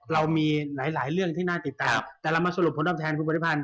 เรามีหลายหลายเรื่องที่น่าติดตามแต่เรามาสรุปผลตอบแทนคุณปฏิพันธ